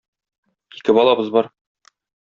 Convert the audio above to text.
Ике балабыз бар.